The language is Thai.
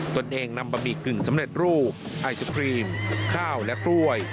ตนเองนำบะหมี่กึ่งสำเร็จรูปไอศครีมข้าวและกล้วย